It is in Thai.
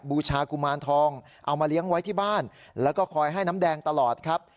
บูชากุมารทองเอามาเลี้ยงไว้ที่บ้านแล้วก็คอยให้น้ำแดงตลอดครับ